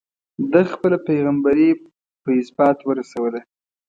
ده خپله پيغمبري په ازبات ورسوله.